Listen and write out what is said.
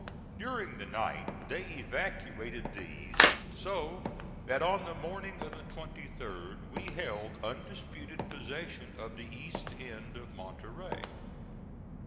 During the night they evacuated these; so that on the morning of the 23d we held undisputed possession of the east end of Monterey.